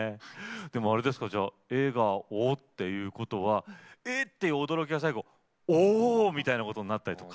でもあれですかじゃあ「え」が「お」っていうことは「え！」っていう驚きが最後「お！」みたいなことになったりとか。